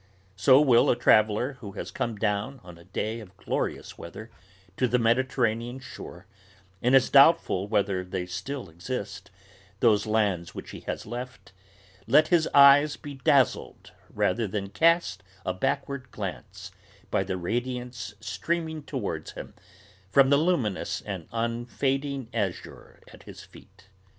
So will a traveller, who has come down, on a day of glorious weather, to the Mediterranean shore, and is doubtful whether they still exist, those lands which he has left, let his eyes be dazzled, rather than cast a backward glance, by the radiance streaming towards him from the luminous and unfading azure at his feet.